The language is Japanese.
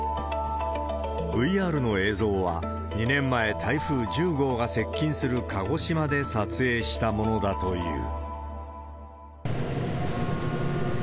ＶＲの映像は、２年前、台風１０号が接近する鹿児島で撮影したものだという。